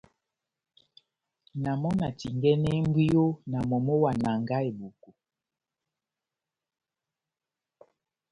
Na mɔ́ na tingɛnɛhɛ mbwiyo na momó wa Nanga-Eboko.